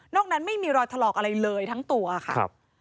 นั้นไม่มีรอยถลอกอะไรเลยทั้งตัวค่ะ